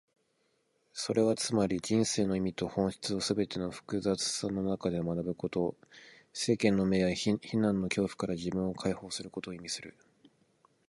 それはつまり、人生の意味と本質をすべての複雑さの中で学ぶこと、世間の目や非難の恐怖から自分を解放することを意味する。